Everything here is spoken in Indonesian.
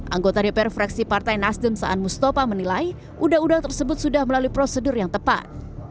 anggota dpr fraksi partai nasdem saan mustafa menilai undang undang tersebut sudah melalui prosedur yang tepat